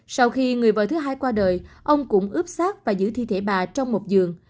sau khi người vợ thứ hai qua đời ông cũng ướp xác và giữ thi thể bà trong một giường